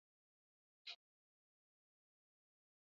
Kifo ni kizuri ukikubali